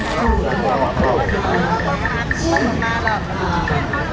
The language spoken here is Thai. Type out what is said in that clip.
พระเจ้าข้าว